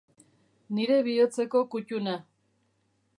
Nire bihotzeko kutuna.